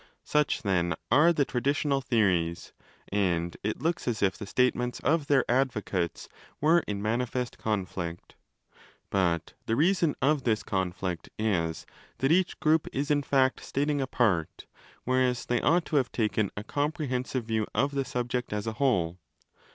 Such, then, are the traditional theories, and it looks as if the statements of their advocates were in manifest conflict. But the reason of this conflict is that each group is in fact stating a part, whereas they ought to have taken a compre hensive view of the subject as a whole.